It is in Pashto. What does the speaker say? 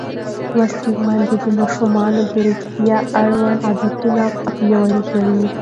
لوستې میندې د ماشومانو د روغتیا اړوند عادتونه پیاوړي کوي.